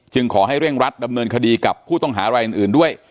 ขอให้เร่งรัดดำเนินคดีกับผู้ต้องหารายอื่นด้วย